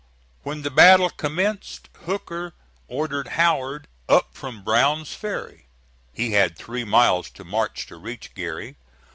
When the battle commenced, Hooker ordered Howard up from Brown's Ferry. He had three miles to march to reach Geary.